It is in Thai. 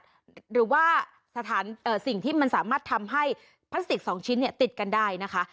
หรือว่าสถานสิ่งที่มันสามารถทำให้พลาสติก๒ชิ้นติดกันได้นะคะ